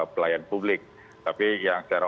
pelayan publik tapi yang secara